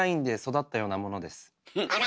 あら！